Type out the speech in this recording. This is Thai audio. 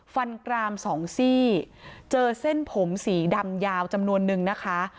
กรามสองซี่เจอเส้นผมสีดำยาวจำนวนนึงนะคะ